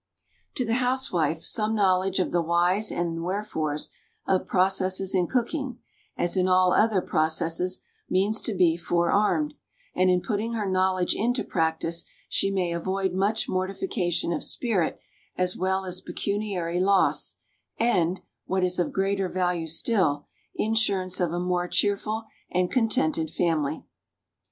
3 To the housewife some knowledge of the whys and wherefores of processes in cooking — as in all other processes — means to be forearmed; and in putting her knowledge into practice she may avoid much mortification of spirit as well as pecuniary loss and, what is of greater value still, insurance of a more cheerful and contented family.